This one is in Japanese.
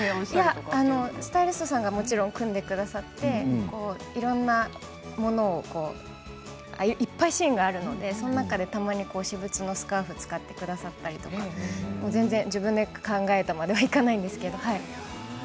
スタイリストさんがもちろん組んでくださっていろんなものをいっぱいシーンがあるのでその中で、たまに私物のスカーフを使ってくださったり自分で考えたまではいかないんですけど。